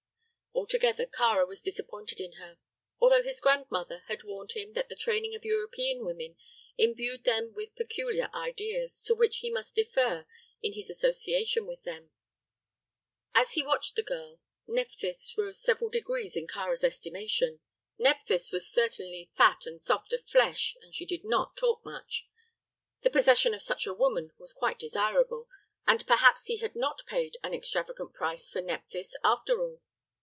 Altogether, Kāra was disappointed in her, although his grandmother had warned him that the training of European women imbued them with peculiar ideas, to which he must defer in his association with them. As he watched the girl, Nephthys rose several degrees in Kāra's estimation. Nephthys was certainly [Illustration: In the evening he crossed the great bridge of Isma'il Pasha to the island of Gizireh] fat and soft of flesh, and she did not talk much. The possession of such a woman was quite desirable, and perhaps he had not paid an extravagant price for Nephthys after all.